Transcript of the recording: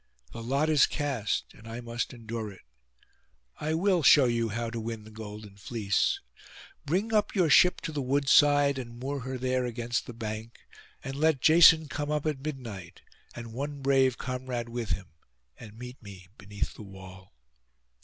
The lot is cast, and I must endure it. I will show you how to win the golden fleece. Bring up your ship to the wood side, and moor her there against the bank; and let Jason come up at midnight, and one brave comrade with him, and meet me beneath the wall.